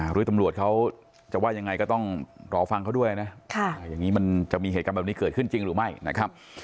หรือตำรวจเขาจะว่ายังไงก็ต้องรอฟังเขาด้วยนะ